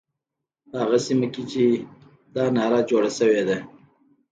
په هغه سیمه کې چې دا ناره جوړه شوې ده.